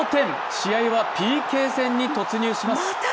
試合はＰＫ戦に突入します。